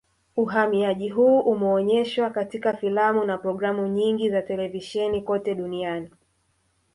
Uhamiaji huu umeonyeshwa katika filamu na programu nyingi za televisheni kote duniani